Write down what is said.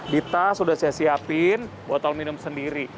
di tas sudah saya siapin botol minum sendiri